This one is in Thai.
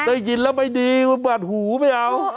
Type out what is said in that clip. ได้ยินแล้วไม่ดีมันบัดหูไม่เอา